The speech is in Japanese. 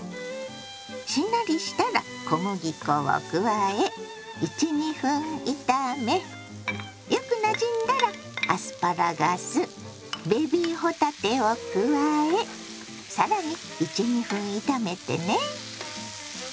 しんなりしたら小麦粉を加え１２分炒めよくなじんだらアスパラガスベビー帆立てを加え更に１２分炒めてね。